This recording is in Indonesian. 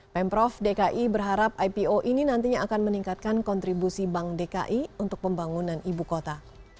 pemprov dki berharap ipo ini nantinya akan meningkatkan kontribusi bank dki untuk pembangunan ibu kota